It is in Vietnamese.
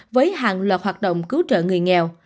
với hàng loạt hoạt động cứu trợ người nghèo